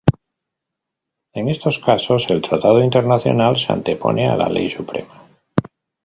En estos casos, el tratado internacional se antepone a la ley suprema.